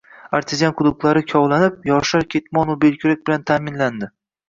Artezian quduqlari kovlanib, yoshlar ketmonu belkurak bilan ta’minlandi.